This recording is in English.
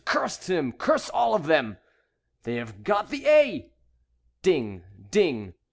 Curse him! Curse all of them! They have got the 'A'!" Ding! Ding!